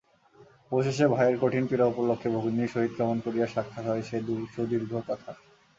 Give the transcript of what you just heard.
অবশেষে ভাইয়ের কঠিন পীড়া উপলক্ষে ভগিনীর সহিত কেমন করিয়া সাক্ষাৎ হয় সে সুদীর্ঘ কথা।